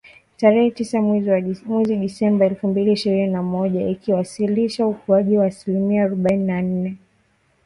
Tarehe Tisa mwezi Disemba elfu mbili ishirini na moja ikiwasilisha ukuaji wa asilimia arubaini na nne